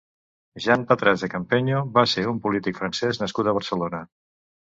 Jean Patras de Campaigno va ser un polític francès nascut a Barcelona.